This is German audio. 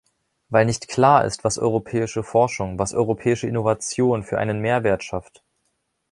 Weil nicht klar ist, was europäische Forschung, was europäische Innovation für einen Mehrwert schafft.